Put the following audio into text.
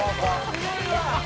すごいわ」